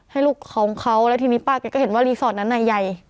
ลูกของเขาแล้วทีนี้ป้าแกก็เห็นว่ารีสอร์ทนั้นใหญ่